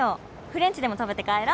フレンチでも食べて帰ろ？